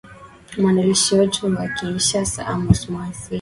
mwandishi wetu wa kinshasa amos mwasi